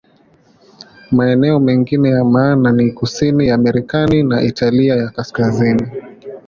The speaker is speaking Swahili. Maeneo mengine ya maana ni kusini ya Marekani na Italia ya Kaskazini.